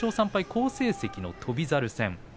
好成績の翔猿戦。